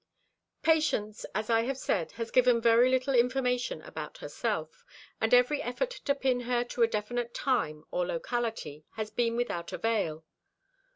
Patience, as I have said, has given very little information about herself, and every effort to pin her to a definite time or locality has been without avail.